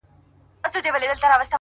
پرمختګ د آرامۍ له پولې بهر وي,